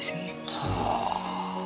はあ。